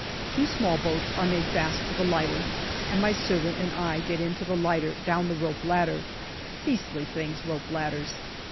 Two small boats are made fast to the lighter, and my servant and I get into the lighter down the rope ladder. Beastly things, rope ladders.